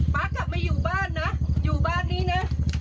กลับมาอยู่บ้านนะอยู่บ้านนี้นะ